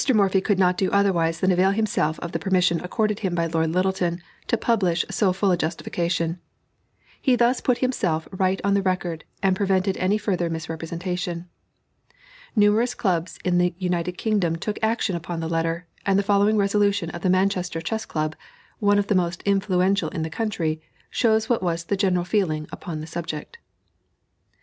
Morphy could not do otherwise than avail himself of the permission accorded him by Lord Lyttelton, to publish so full a justification. He thus put himself right on the record, and prevented any further misrepresentation. Numerous clubs in the United Kingdom took action upon the letter, and the following resolution of the Manchester Chess Club one of the most influential in the country shows what was the general feeling upon the subject.